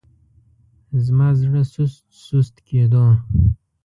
زما زړه سست سست کېدو.